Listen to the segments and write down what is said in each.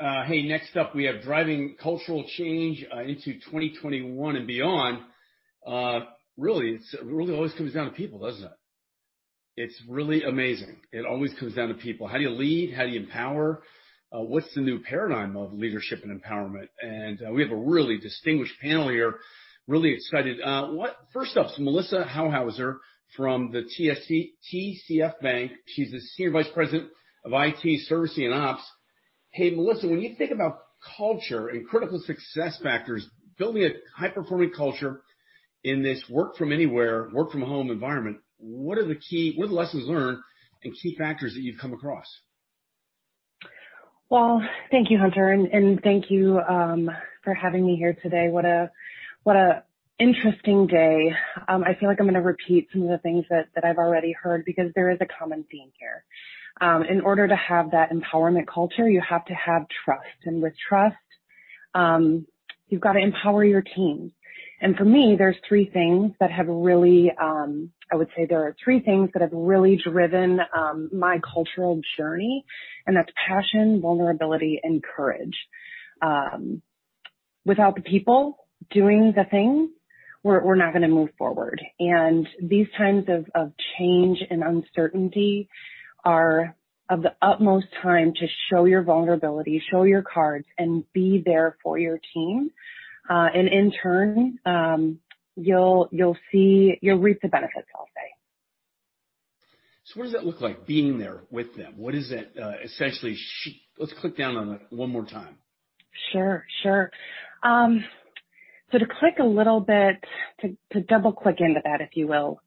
Hey, next up we have driving cultural change into 2021 and beyond. Really, it always comes down to people, doesn't it? It's really amazing. It always comes down to people. How do you lead? How do you empower? What's the new paradigm of leadership and empowerment? We have a really distinguished panel here, really excited. First up is Melissa Haughouser from the TCF Bank. She's the senior vice president of IT Service and Ops. Hey, Melissa, when you think about culture and critical success factors, building a high-performing culture in this work from anywhere, work from home environment, what are the lessons learned and key factors that you've come across? Thank you, Hunter, and thank you for having me here today. What a interesting day. I feel like I'm going to repeat some of the things that I've already heard because there is a common theme here. In order to have that empowerment culture, you have to have trust, and with trust, you've got to empower your team. For me, I would say there are three things that have really driven my cultural journey, and that's passion, vulnerability, and courage. Without the people doing the thing, we're not going to move forward. These times of change and uncertainty are of the utmost time to show your vulnerability, show your cards, and be there for your team. In turn, you'll reap the benefits, I'll say. What does that look like, being there with them? Let's click down on that one more time. Sure. To double-click into that, if you will,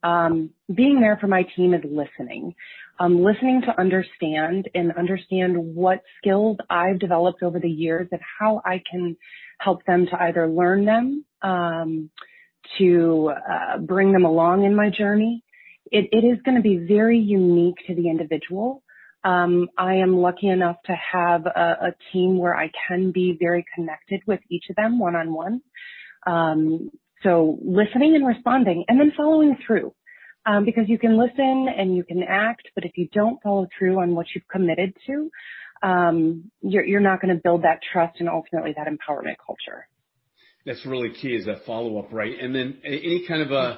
being there for my team is listening. Listening to understand and understand what skills I've developed over the years and how I can help them to either learn them, to bring them along in my journey. It is going to be very unique to the individual. I am lucky enough to have a team where I can be very connected with each of them one-on-one. Listening and responding and then following through, because you can listen and you can act, but if you don't follow through on what you've committed to, you're not going to build that trust and ultimately that empowerment culture. That's really key is that follow-up, right. Any kind of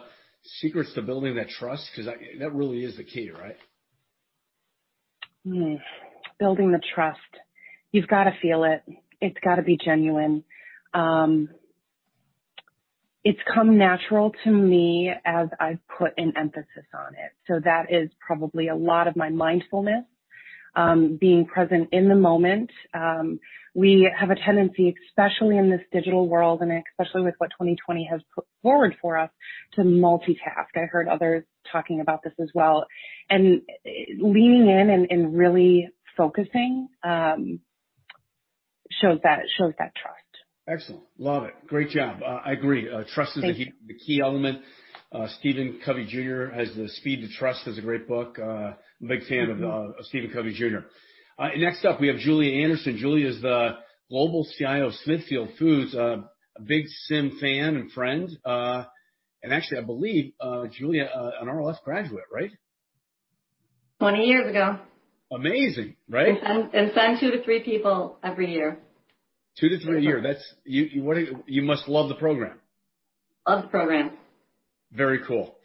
secrets to building that trust? Because that really is the key, right? Building the trust. You've got to feel it. It's got to be genuine. It's come natural to me as I've put an emphasis on it. That is probably a lot of my mindfulness, being present in the moment. We have a tendency, especially in this digital world, and especially with what 2020 has put forward for us, to multitask. I heard others talking about this as well. Leaning in and really focusing shows that trust. Excellent. Love it. Great job. I agree. Thank you. Trust is the key element. Stephen Covey Jr. has "The Speed of Trust," it's a great book. I'm a big fan of Stephen Covey Jr. Next up we have Julia Anderson. Julia is the Global CIO of Smithfield Foods, a big SIM fan and friend, and actually, I believe, Julia, an RLS graduate, right? 20 years ago. Amazing, right? Send two to three people every year. Two to three a year. You must love the program. Love the program. Very cool.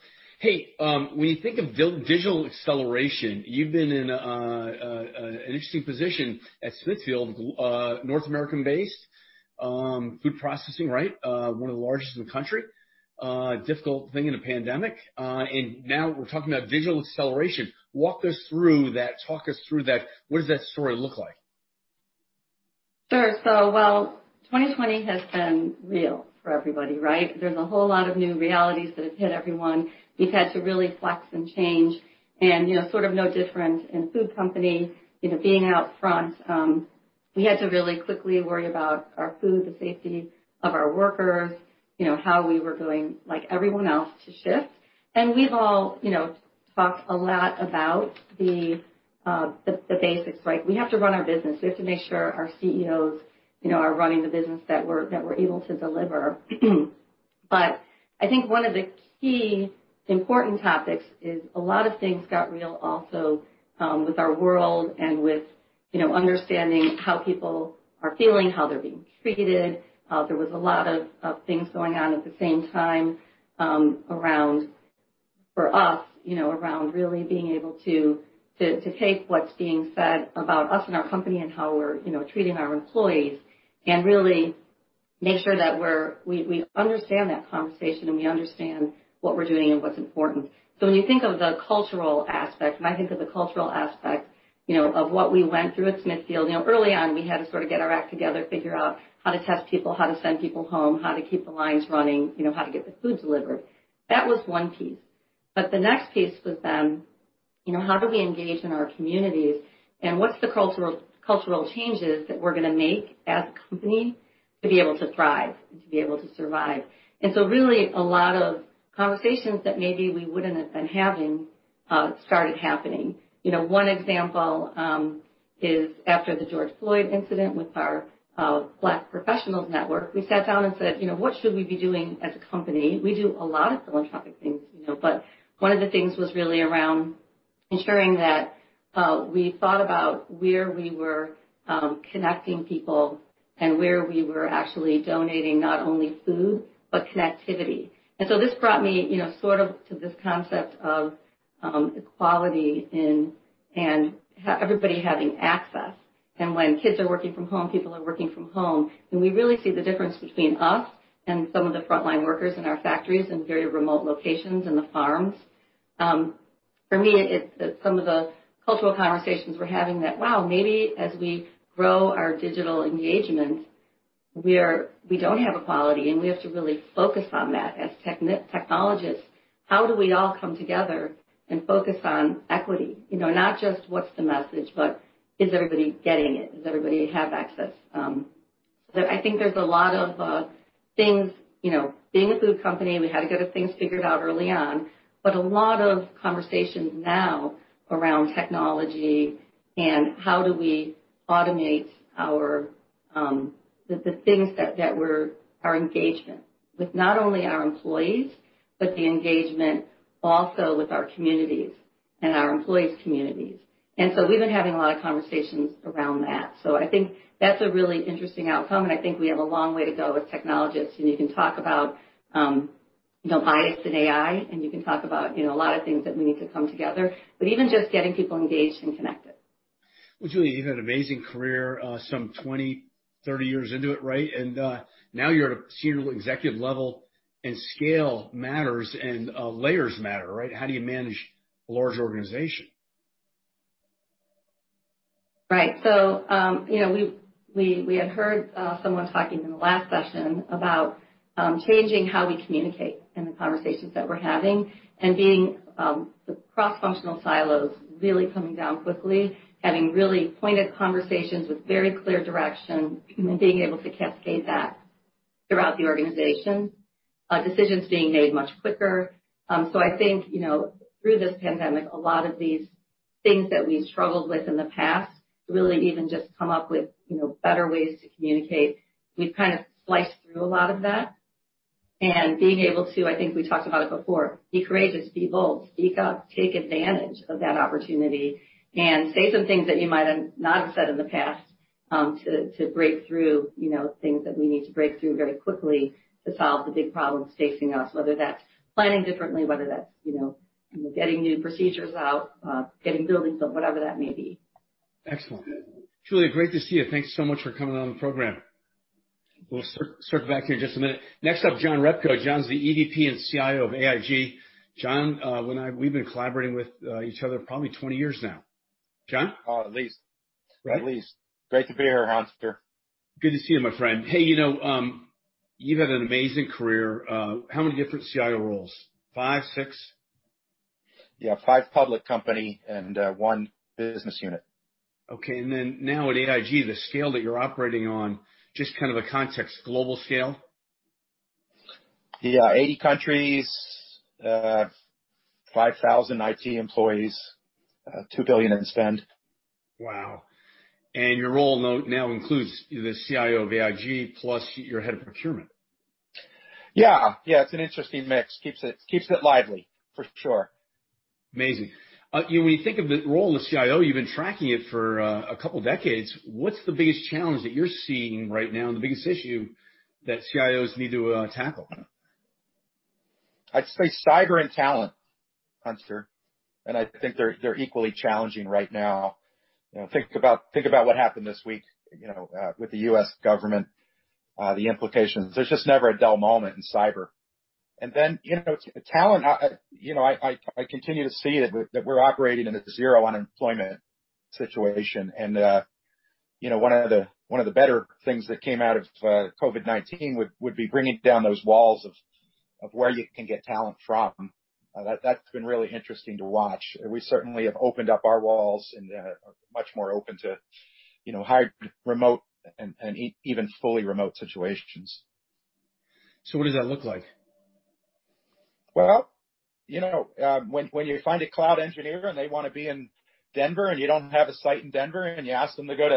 Hey, when you think of digital acceleration, you've been in an interesting position at Smithfield, North American-based food processing, right? One of the largest in the country. Difficult thing in a pandemic. Now we're talking about digital acceleration. Walk us through that. Talk us through that. What does that story look like? Sure. While 2020 has been real for everybody, right? There's a whole lot of new realities that have hit everyone. We've had to really flex and change and sort of no different in food company, being out front. We had to really quickly worry about our food, the safety of our workers, how we were going, like everyone else, to shift. We've all talked a lot about the basics, right? We have to run our business. We have to make sure our CEOs are running the business that we're able to deliver. I think one of the key important topics is a lot of things got real also with our world and with understanding how people are feeling, how they're being treated. There was a lot of things going on at the same time for us, around really being able to take what's being said about us and our company and how we're treating our employees, and really make sure that we understand that conversation, and we understand what we're doing and what's important. When you think of the cultural aspect, and I think of the cultural aspect of what we went through at Smithfield, early on, we had to sort of get our act together, figure out how to test people, how to send people home, how to keep the lines running, how to get the food delivered. That was one piece. The next piece was then, how do we engage in our communities, and what's the cultural changes that we're going to make as a company to be able to thrive and to be able to survive? Really a lot of conversations that maybe we wouldn't have been having started happening. One example is after the George Floyd incident with our Black Professionals network, we sat down and said, "What should we be doing as a company?" We do a lot of philanthropic things, but one of the things was really around ensuring that we thought about where we were connecting people and where we were actually donating not only food but connectivity. This brought me to this concept of equality and everybody having access. When kids are working from home, people are working from home, and we really see the difference between us and some of the frontline workers in our factories in very remote locations in the farms. For me, some of the cultural conversations we're having that, wow, maybe as we grow our digital engagement, we don't have equality, and we have to really focus on that as technologists. How do we all come together and focus on equity? Not just what's the message, but is everybody getting it? Does everybody have access? I think there's a lot of things, being a food company, we had to get our things figured out early on. A lot of conversations now around technology and how do we automate our engagement with not only our employees, but the engagement also with our communities and our employees' communities. We've been having a lot of conversations around that. I think that's a really interesting outcome, and I think we have a long way to go as technologists, and you can talk about bias in AI, and you can talk about a lot of things that we need to come together. Even just getting people engaged and connected. Well, Julia, you've had an amazing career some 20, 30 years into it, right? Now you're at a senior executive level, and scale matters and layers matter, right? How do you manage a large organization? Right. We had heard someone talking in the last session about changing how we communicate and the conversations that we're having and being the cross-functional silos really coming down quickly, having really pointed conversations with very clear direction, and then being able to cascade that throughout the organization. Decisions being made much quicker. I think, through this pandemic, a lot of these things that we've struggled with in the past, really even just come up with better ways to communicate. We've kind of sliced through a lot of that, and being able to, I think we talked about it before, be courageous, be bold, speak up, take advantage of that opportunity, and say some things that you might not have said in the past to break through things that we need to break through very quickly to solve the big problems facing us, whether that's planning differently, whether that's getting new procedures out, getting buildings built, whatever that may be. Excellent. Julia, great to see you. Thanks so much for coming on the program. We'll circle back to you in just a minute. Next up, John Repko. John's the EVP and CIO of AIG. John, we've been collaborating with each other probably 20 years now. John? Oh, at least. Right. At least. Great to be here, Hunter. Good to see you, my friend. Hey, you've had an amazing career. How many different CIO roles? Five, six? Yeah. Five public company and one business unit. Okay. Now at AIG, the scale that you're operating on, just kind of a context, global scale? Yeah. 80 countries, 5,000 IT employees, $2 billion in spend. Wow. Your role now includes the CIO of AIG, plus you're head of procurement. Yeah. It's an interesting mix. Keeps it lively, for sure. Amazing. When you think of the role of the CIO, you've been tracking it for a couple of decades, what's the biggest challenge that you're seeing right now and the biggest issue that CIOs need to tackle? I'd say cyber and talent, Hunter. I think they're equally challenging right now. Think about what happened this week with the U.S. government, the implications. There's just never a dull moment in cyber. Then talent, I continue to see that we're operating in a zero-unemployment situation. One of the better things that came out of COVID-19 would be bringing down those walls of where you can get talent from. That's been really interesting to watch. We certainly have opened up our walls and are much more open to hybrid, remote, and even fully remote situations. What does that look like? Well, when you find a cloud engineer and they want to be in Denver and you don't have a site in Denver, and you ask them to go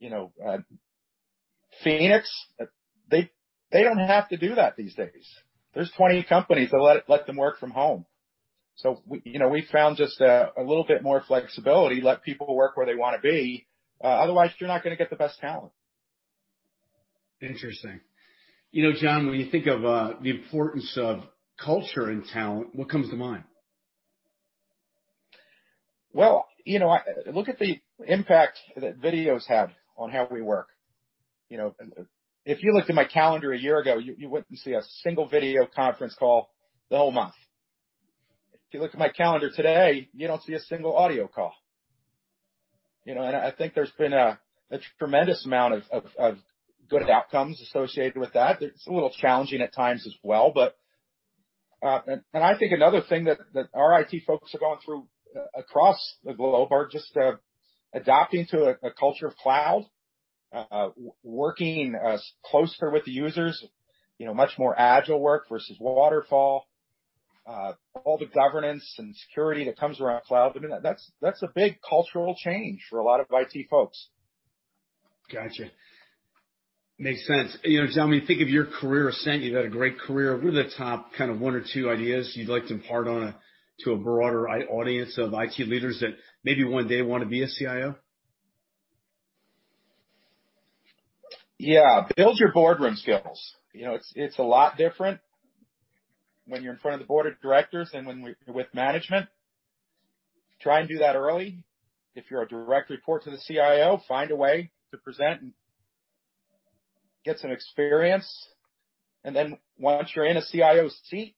to Phoenix, they don't have to do that these days. There's 20 companies that let them work from home. We found just a little bit more flexibility, let people work where they want to be. Otherwise, you're not going to get the best talent. Interesting. John, when you think of the importance of culture and talent, what comes to mind? Well, look at the impact that video's had on how we work. If you looked at my calendar a year ago, you wouldn't see a single video conference call the whole month. If you look at my calendar today, you don't see a single audio call. I think there's been a tremendous amount of good outcomes associated with that. It's a little challenging at times as well, but I think another thing that our IT folks are going through across the globe are just adapting to a culture of cloud, working closer with the users, much more agile work versus waterfall. All the governance and security that comes around cloud. I mean, that's a big cultural change for a lot of IT folks. Got you. Makes sense. Tell me, think of your career ascent. You've had a great career. What are the top one or two ideas you'd like to impart to a broader audience of IT leaders that maybe one day want to be a CIO? Yeah. Build your boardroom skills. It's a lot different when you're in front of the board of directors than when you're with management. Try and do that early. If you're a direct report to the CIO, find a way to present and get some experience. Then once you're in a CIO seat,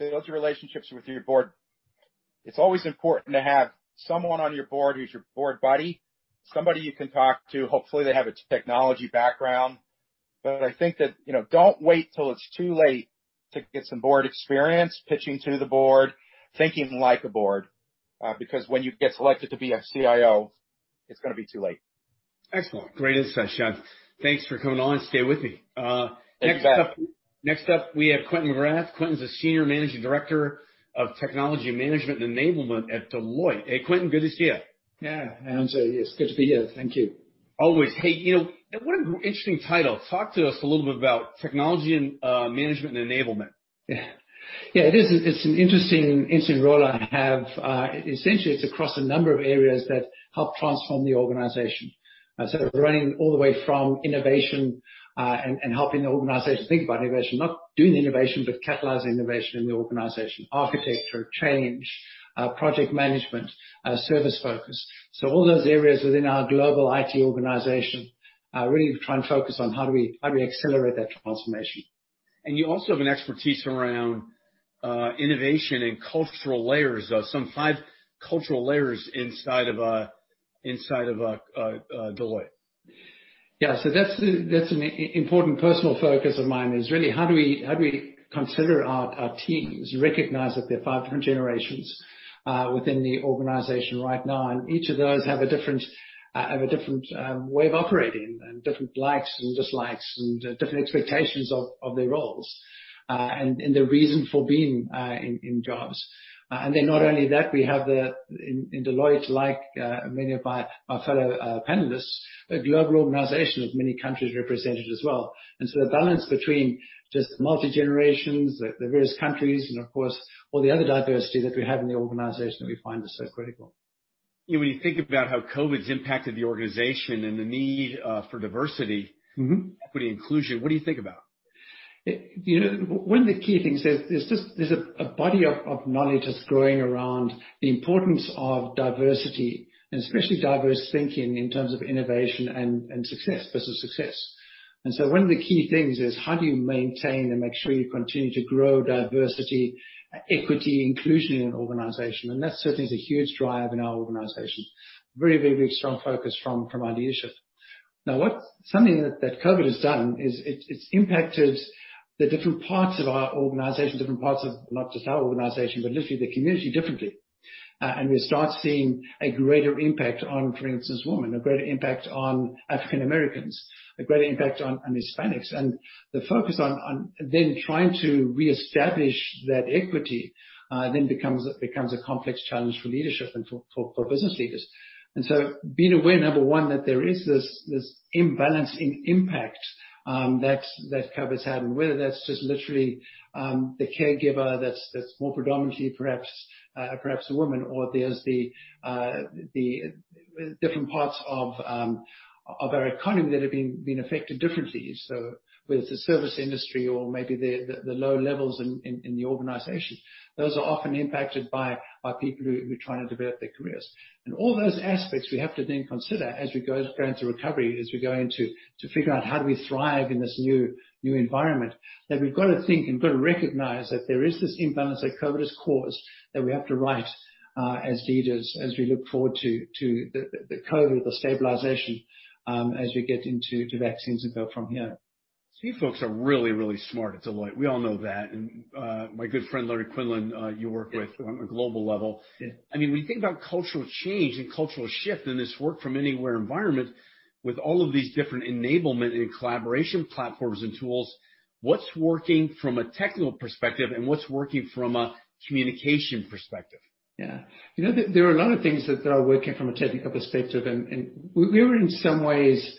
build your relationships with your board. It's always important to have someone on your board who's your board buddy, somebody you can talk to. Hopefully, they have a technology background. I think that, don't wait till it's too late to get some board experience pitching to the board, thinking like a board, because when you get selected to be a CIO, it's going to be too late. Excellent. Great insight, John. Thanks for coming on. Stay with me. You bet. Next up, we have Quintin McGrath. Quintin's a Senior Managing Director of Technology Management and Enablement at Deloitte. Hey, Quintin, good to see you. Yeah, Hunter. It's good to be here. Thank you. Always. Hey, what an interesting title. Talk to us a little bit about Technology Management and Enablement. Yeah. It is. It's an interesting role I have. Essentially, it's across a number of areas that help transform the organization, running all the way from innovation, and helping the organization think about innovation, not doing the innovation, but catalyzing innovation in the organization, architecture, change, project management, service focus. All those areas within our global IT organization, really try and focus on how do we accelerate that transformation. You also have an expertise around innovation and cultural layers, some five cultural layers inside of Deloitte. Yeah. That's an important personal focus of mine, is really how do we consider our teams, recognize that there are five different generations within the organization right now, and each of those have a different way of operating and different likes and dislikes and different expectations of their roles, and their reason for being in jobs. Not only that, we have in Deloitte, like many of my fellow panelists, a global organization of many countries represented as well. The balance between just multi-generations, the various countries, and of course, all the other diversity that we have in the organization that we find is so critical. When you think about how COVID's impacted the organization and the need for diversity- equity, inclusion, what do you think about? One of the key things is, there's a body of knowledge that's growing around the importance of diversity and especially diverse thinking in terms of innovation and success, business success. One of the key things is how do you maintain and make sure you continue to grow diversity, equity, inclusion in an organization. That certainly is a huge drive in our organization. Very, very big strong focus from our leadership. Now, something that COVID has done is it's impacted the different parts of our organization, different parts of not just our organization, but literally the community differently. We start seeing a greater impact on, for instance, women, a greater impact on African Americans, a greater impact on Hispanics. The focus on then trying to reestablish that equity, then becomes a complex challenge for leadership and for business leaders. Being aware, number one, that there is this imbalance in impact that COVID's had, and whether that's just literally the caregiver that's more predominantly perhaps a woman or there's the different parts of our economy that have been affected differently. Whether it's the service industry or maybe the low levels in the organization. Those are often impacted by people who are trying to develop their careers. All those aspects we have to then consider as we go into recovery, as we go into figure out how do we thrive in this new environment. That we've got to think and got to recognize that there is this imbalance that COVID has caused that we have to right as leaders, as we look forward to the COVID, the stabilization, as we get into vaccines and go from here. You folks are really, really smart at Deloitte. We all know that. My good friend Larry Quinlan you work with on a global level. Yeah. We think about cultural change and cultural shift in this work from anywhere environment with all of these different enablement and collaboration platforms and tools, what's working from a technical perspective and what's working from a communication perspective? Yeah. There are a lot of things that are working from a technical perspective, and we were, in some ways,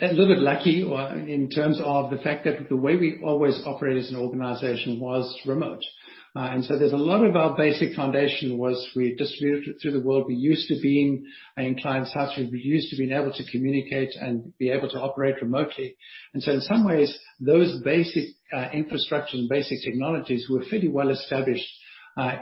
a little bit lucky in terms of the fact that the way we always operate as an organization was remote. There's a lot of our basic foundation was we distributed through the world. We're used to being in clients' houses. We're used to being able to communicate and be able to operate remotely. In some ways, those basic infrastructures and basic technologies were fairly well-established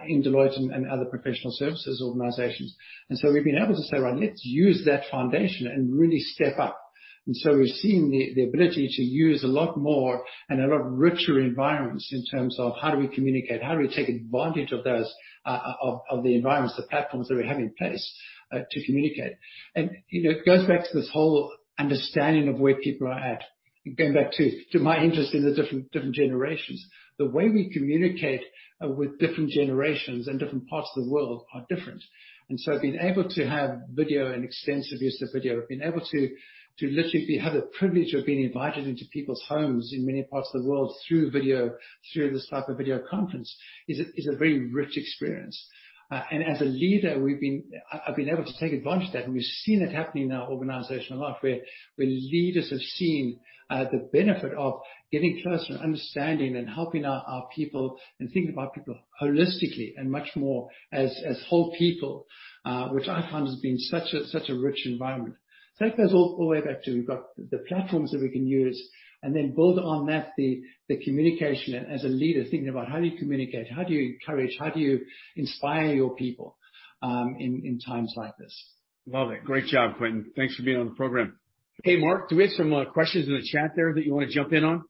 in Deloitte and other professional services organizations. We've been able to say, "Well, let's use that foundation and really step up." We've seen the ability to use a lot more and a lot richer environments in terms of how do we communicate, how do we take advantage of the environments, the platforms that we have in place to communicate. It goes back to this whole understanding of where people are at. Going back to my interest in the different generations, the way we communicate with different generations and different parts of the world are different. Being able to have video and extensive use of video, being able to literally have the privilege of being invited into people's homes in many parts of the world through video, through this type of video conference, is a very rich experience. As a leader, I've been able to take advantage of that, and we've seen it happening in our organization a lot, where leaders have seen the benefit of getting closer and understanding and helping our people and thinking about people holistically and much more as whole people, which I found has been such a rich environment. That goes all the way back to we've got the platforms that we can use and then build on that the communication and as a leader, thinking about how do you communicate, how do you encourage, how do you inspire your people in times like this? Love it. Great job, Quentin. Thanks for being on the program. Hey, Mark, do we have some questions in the chat there that you want to jump in on?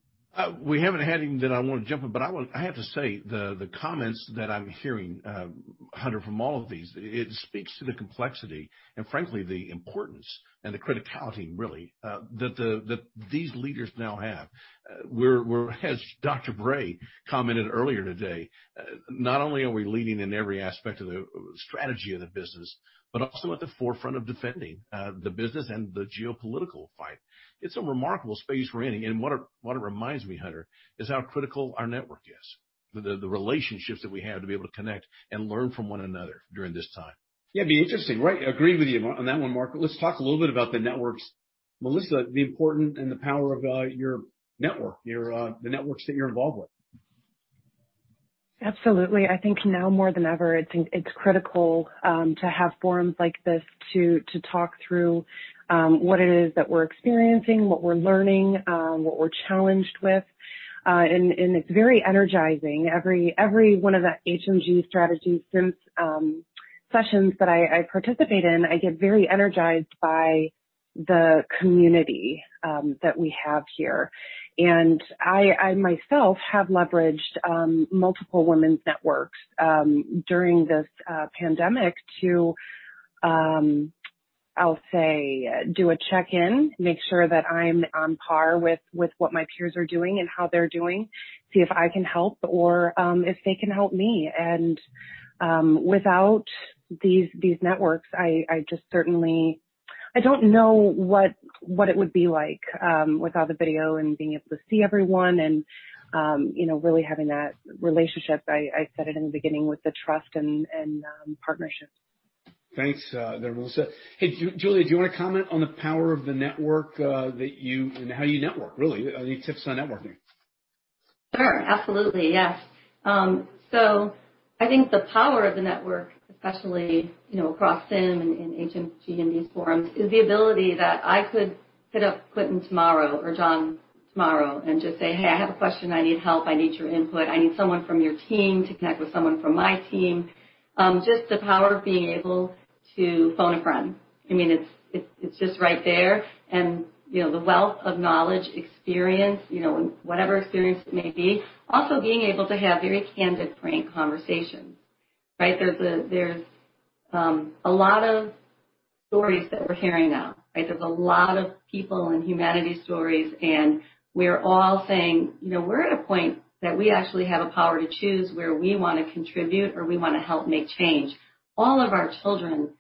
We haven't had any that I want to jump in, I have to say, the comments that I'm hearing, Hunter, from all of these, it speaks to the complexity and frankly, the importance and the criticality, really, that these leaders now have. As Dr. Bray commented earlier today, not only are we leading in every aspect of the strategy of the business, but also at the forefront of defending the business and the geopolitical fight. It's a remarkable space we're in. What it reminds me, Hunter, is how critical our network is. The relationships that we have to be able to connect and learn from one another during this time. Yeah, be interesting, right? I agree with you on that one, Mark. Let's talk a little bit about the networks. Melissa, the important and the power of your network, the networks that you're involved with. Absolutely. I think now more than ever, it's critical to have forums like this to talk through what it is that we're experiencing, what we're learning, what we're challenged with. It's very energizing. Every one of the HMG Strategy sessions that I participate in, I get very energized by the community that we have here. I myself have leveraged multiple women's networks during this pandemic to, I'll say, do a check-in, make sure that I'm on par with what my peers are doing and how they're doing, see if I can help or if they can help me. Without these networks, I don't know what it would be like without the video and being able to see everyone and really having that relationship, I said it in the beginning, with the trust and partnership. Thanks there, Melissa. Hey, Julia, do you want to comment on the power of the network and how you network, really? Any tips on networking? I think the power of the network, especially across SIM and HMG and these forums, is the ability that I could hit up Quintin tomorrow or John tomorrow and just say, "Hey, I have a question. I need help. I need your input. I need someone from your team to connect with someone from my team." Just the power of being able to phone a friend. It's just right there, the wealth of knowledge, experience, whatever experience it may be. Also, being able to have very candid, frank conversations, right? There's a lot of stories that we're hearing now, right? There's a lot of people and humanity stories, and we're all saying we're at a point that we actually have a power to choose where we want to contribute, or we want to help make change. All of our children,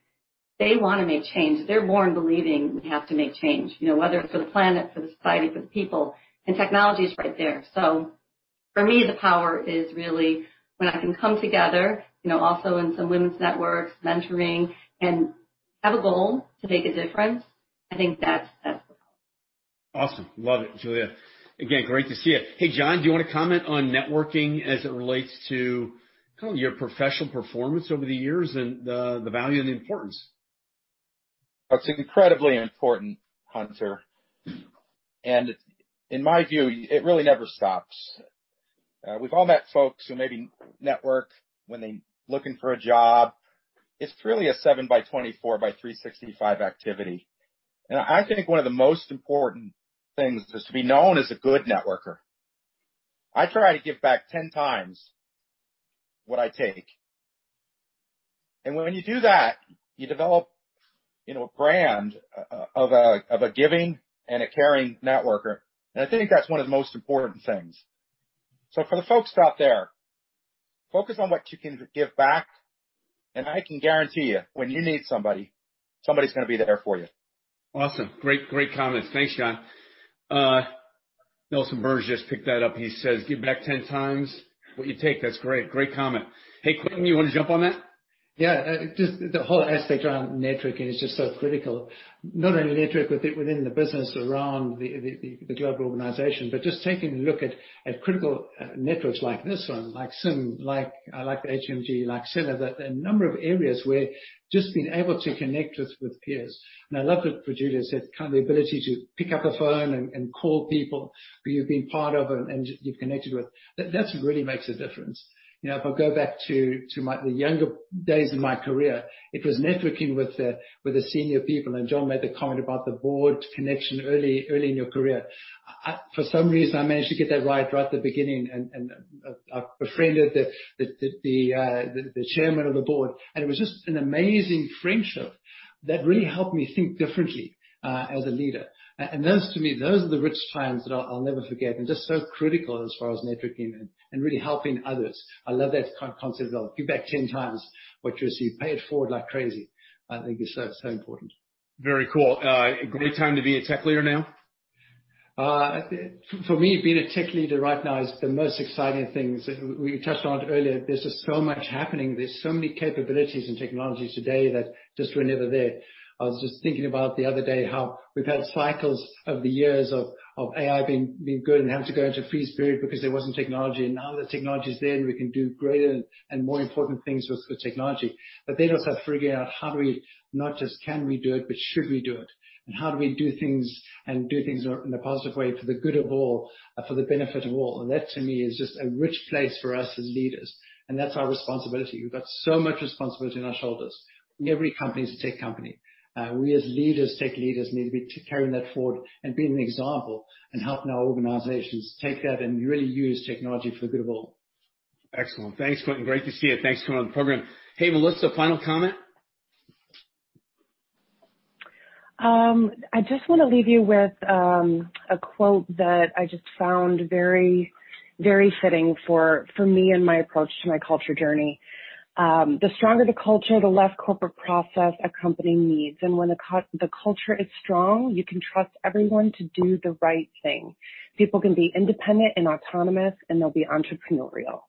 they want to make change. They're born believing we have to make change, whether it's for the planet, for the society, for the people, technology is right there. For me, the power is really when I can come together, also in some women's networks, mentoring, and have a goal to make a difference. I think that's the power. Awesome. Love it, Julia. Again, great to see you. Hey, John, do you want to comment on networking as it relates to your professional performance over the years and the value and the importance? It's incredibly important, Hunter. In my view, it really never stops. We've all met folks who maybe network when they're looking for a job. It's really a seven by 24 by 365 activity. I think one of the most important things is to be known as a good networker. I try to give back 10 times what I take. When you do that, you develop a brand of a giving and a caring networker, and I think that's one of the most important things. For the folks out there, focus on what you can give back, and I can guarantee you, when you need somebody's going to be there for you. Awesome. Great comments. Thanks, John. Nelson Berge just picked that up. He says, "Give back 10 times what you take." That's great. Great comment. Hey, Quintin, you want to jump on that? Yeah. Just the whole aspect around networking is just so critical. Not only network within the business around the global organization, but just taking a look at critical networks like this one, like SIM, like HMG, like CELA, a number of areas where just being able to connect with peers. I love what Julia said, the ability to pick up the phone and call people who you've been part of and you've connected with. That really makes a difference. If I go back to the younger days of my career, it was networking with the senior people, and John made the comment about the board connection early in your career. For some reason, I managed to get that right at the beginning, and I befriended the chairman of the board, and it was just an amazing friendship that really helped me think differently as a leader. Those, to me, those are the rich times that I'll never forget and just so critical as far as networking and really helping others. I love that concept of give back 10 times what you receive, pay it forward like crazy. I think it's so important. Very cool. A great time to be a tech leader now? For me, being a tech leader right now is the most exciting things. We touched on it earlier, there's just so much happening. There's so many capabilities and technologies today that just were never there. I was just thinking about the other day how we've had cycles of the years of AI being good and having to go into a freeze period because there wasn't technology. Now the technology's there, and we can do greater and more important things with the technology. Also figuring out how do we, not just can we do it, but should we do it? How do we do things, and do things in a positive way for the good of all, for the benefit of all. That, to me, is just a rich place for us as leaders, and that's our responsibility. We've got so much responsibility on our shoulders. Every company is a tech company. We, as tech leaders, need to be carrying that forward and being an example and helping our organizations take that and really use technology for the good of all. Excellent. Thanks, Quintin. Great to see you. Thanks for coming on the program. Hey, Melissa, final comment? I just want to leave you with a quote that I just found very fitting for me and my approach to my culture journey. "The stronger the culture, the less corporate process a company needs. When the culture is strong, you can trust everyone to do the right thing. People can be independent and autonomous, and they'll be entrepreneurial.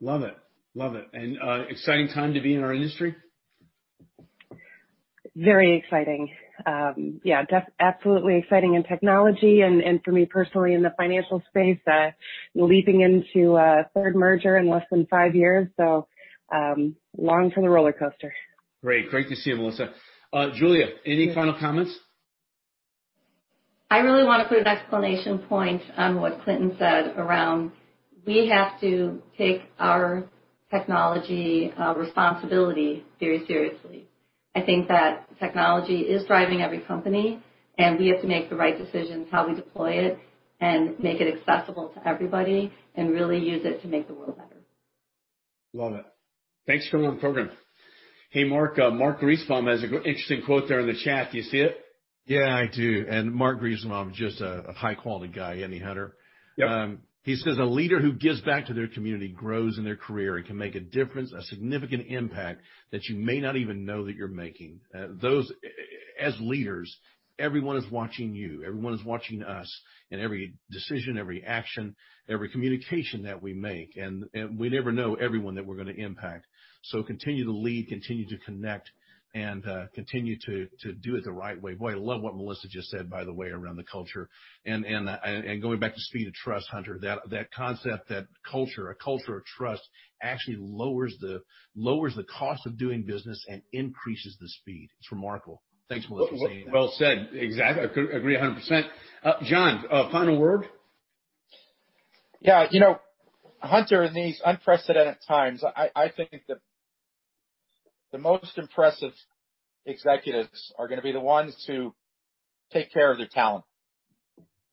Love it. Love it. An exciting time to be in our industry? Very exciting. Yeah, absolutely exciting in technology and, for me personally, in the financial space. Leaping into a third merger in less than five years. Long for the roller coaster. Great. Great to see you, Melissa. Julia, any final comments? I really want to put an exclamation point on what Quintin said around we have to take our technology responsibility very seriously. I think that technology is driving every company, and we have to make the right decisions how we deploy it and make it accessible to everybody and really use it to make the world better. Love it. Thanks for coming on the program. Hey, Mark. Mark Griesbaum has an interesting quote there in the chat. Do you see it? Yeah, I do. Mark Griesbaum is just a high-quality guy, isn't he, Hunter? Yep. He says, "A leader who gives back to their community grows in their career and can make a difference, a significant impact, that you may not even know that you're making." As leaders, everyone is watching you. Everyone is watching us in every decision, every action, every communication that we make, and we never know everyone that we're going to impact. Continue to lead, continue to connect, and continue to do it the right way. Boy, I love what Melissa just said, by the way, around the culture and going back to The Speed of Trust, Hunter. That concept, that culture, a culture of trust actually lowers the cost of doing business and increases the speed. It's remarkable. Thanks, Melissa, for saying that. Well said. Exactly. I agree 100%. John, final word? Yeah. Hunter, in these unprecedented times, I think that the most impressive executives are going to be the ones to take care of their talent.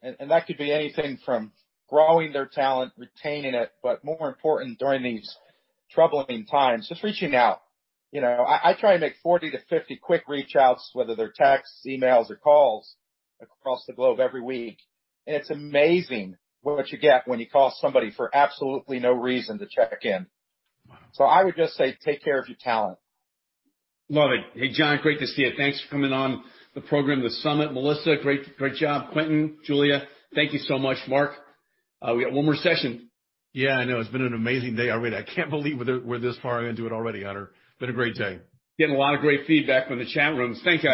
That could be anything from growing their talent, retaining it, but more important during these troubling times, just reaching out. I try and make 40 to 50 quick reach-outs, whether they're texts, emails, or calls, across the globe every week. It's amazing what you get when you call somebody for absolutely no reason to check in. Wow. I would just say take care of your talent. Love it. Hey, John, great to see you. Thanks for coming on the program, the summit. Melissa, great job. Quintin, Julia, thank you so much. Mark. We got one more session. Yeah, I know. It's been an amazing day already. I can't believe we're this far into it already, Hunter. Been a great day. Getting a lot of great feedback from the chat rooms. Thanks, guys.